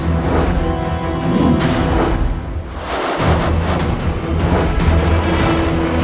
apa apapun yang kau lakukan aku tidak bisa lupakanmu